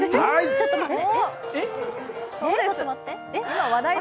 ちょっと待って。